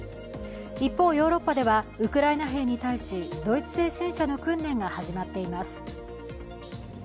一方、ヨーロッパではウクライナ兵に対しドイツ製戦車の訓練が始まっています。